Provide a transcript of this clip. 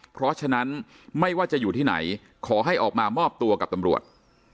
เพราะฉะนั้นไม่ว่าจะอยู่ที่ไหนขอให้ออกมามอบตัวกับตำรวจ